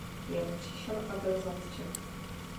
Jan přišel a byl zatčen.